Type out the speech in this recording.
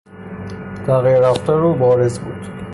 تغییر رفتار او بارز بود.